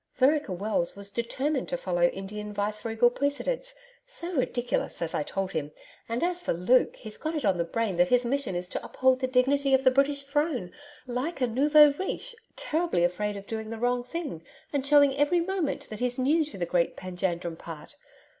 Vereker Wells was determined to follow Indian vice regal precedents so ridiculous as I told him: and as for Luke, he's got it on the brain that his mission is to uphold the dignity of the British Throne. Like a NOUVEAU RICHE terribly afraid of doing the wrong thing and showing every moment that he's new to the great Panjandrum part....